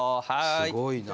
はい！